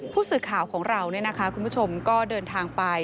ผู้สื่อข่าวของเราคุณผู้ชมก็เดินทางไป